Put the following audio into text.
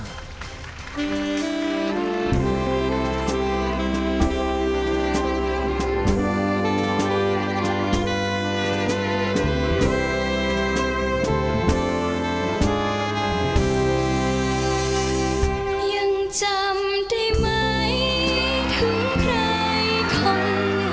ยังจำได้ไหมถึงใครคน